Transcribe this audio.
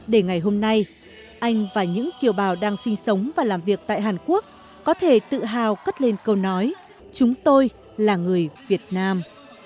để ngày hôm nay anh và những kiều bào đang sinh sống và làm việc tại hàn quốc có thể tự hào cất lên câu nói chúng tôi là người việt nam